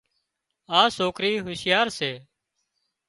آ سوڪري هوشيار سي